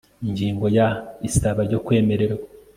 Ingingo ya Isaba ryo kwemererwa